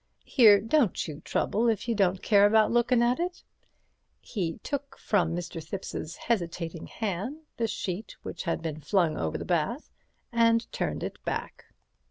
Here, don't you trouble, if you don't care about lookin' at it." He took from Mr. Thipps's hesitating hand the sheet which had been flung over the bath, and turned it back.